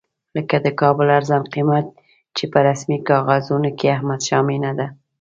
لکه د کابل ارزان قیمت چې په رسمي کاغذونو کې احمدشاه مېنه ده.